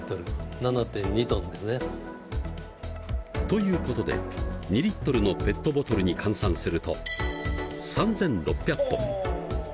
７．２ｔですね。ということで２Ｌのペットボトルに換算すると３６００本。